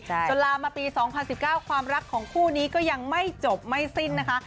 จนลามาปี๒๐๑๙ความรักของคู่นี้ก็ยังไม่จบไม่สิ้นนะคะ